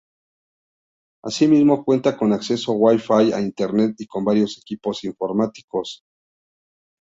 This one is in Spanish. Así mismo, cuenta con acceso wifi a Internet y con varios equipos informáticos.